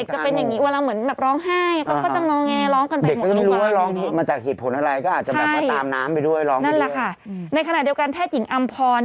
หรือปกติภาพมูล